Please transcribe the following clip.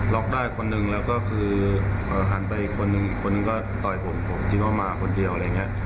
็อกได้คนหนึ่งแล้วก็คือหันไปอีกคนนึงคนก็ต่อยผมผมคิดว่ามาคนเดียวอะไรอย่างนี้